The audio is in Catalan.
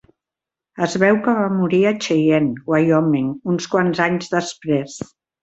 Es veu que va morir a Cheyenne, Wyoming, uns quants anys després.